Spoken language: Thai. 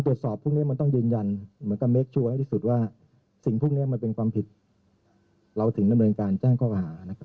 เพราะว่ามันเป็นความผิดเราถึงในบริการแจ้งเข้าอาหาร